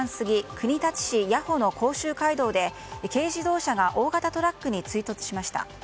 国立市谷保の甲州街道で軽自動車が大型トラックに追突しました。